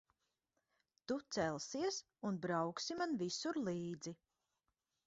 Tu celsies un brauksi man visur līdzi.